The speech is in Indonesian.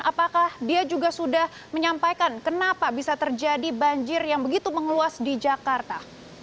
dan apakah dia juga sudah menyampaikan kenapa bisa terjadi banjir yang begitu mengluas di jakarta